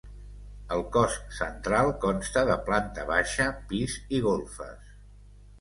El cos central consta de planta baixa, pis i golfes.